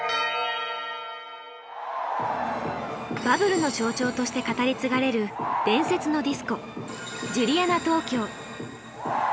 バブルの象徴として語り継がれる伝説のディスコジュリアナ東京。